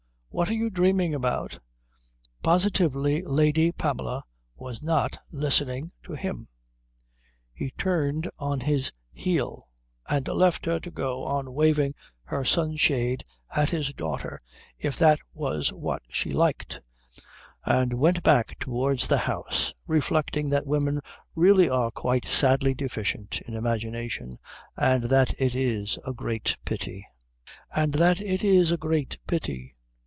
What are you dreaming about?" Positively Lady Pamela was not listening to him. He turned on his heel and left her to go on waving her sunshade at his daughter if that was what she liked, and went back towards the house reflecting that women really are quite sadly deficient in imagination and that it is a great pity.